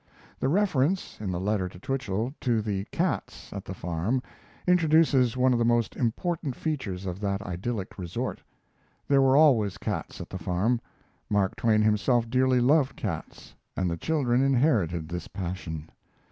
The reference (in the letter to Twichell) to the cats at the farm introduces one of the most important features of that idyllic resort. There were always cats at the farm. Mark Twain himself dearly loved cats, and the children inherited this passion.